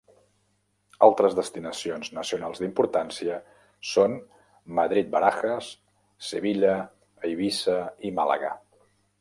Altres destinacions nacionals d'importància són Madrid-Barajas, Sevilla, Eivissa i Màlaga.